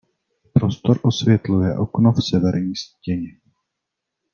Prostor osvětluje okno v severní stěně.